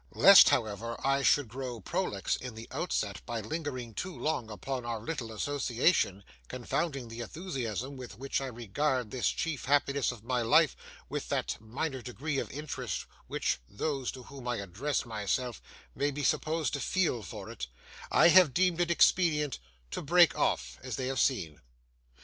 Lest, however, I should grow prolix in the outset by lingering too long upon our little association, confounding the enthusiasm with which I regard this chief happiness of my life with that minor degree of interest which those to whom I address myself may be supposed to feel for it, I have deemed it expedient to break off as they have seen.